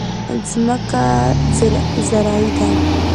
ځمکه زرعي ده.